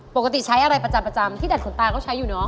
ปกติใช้อะไรประจำที่ดัดขนตาเขาใช้อยู่เนอะ